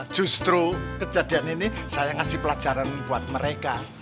justru kejadian ini saya ngasih pelajaran buat mereka